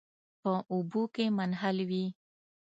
په اوبو کې منحل وي.